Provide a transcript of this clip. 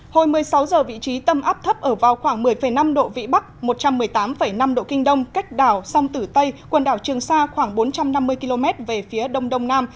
hồi một mươi sáu h vị trí tâm áp thấp ở vào khoảng một mươi năm độ vĩ bắc một trăm một mươi tám năm độ kinh đông cách đảo song tử tây quần đảo trường sa khoảng bốn trăm năm mươi km về phía đông đông nam